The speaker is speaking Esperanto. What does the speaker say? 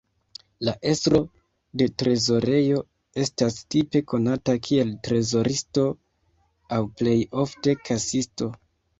La estro de trezorejo estas tipe konata kiel trezoristo aŭ plej ofte kasisto.